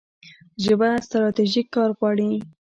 ژبه ستراتیژیک کار غواړي.